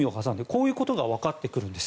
こういうことがわかってくるんです。